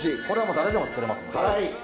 これはもう誰でも作れます。